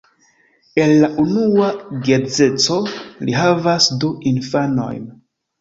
El la unua geedzeco li havas du infanojn.